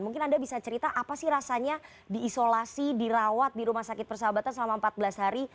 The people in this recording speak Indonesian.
mungkin anda bisa cerita apa sih rasanya diisolasi dirawat di rumah sakit persahabatan selama empat belas hari